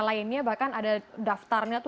lainnya bahkan ada daftarnya